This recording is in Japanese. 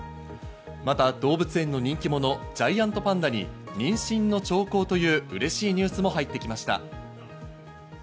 また動物園の人気者、ジャイアントパンダに妊娠の兆候という嬉しいニュースも入ってきました。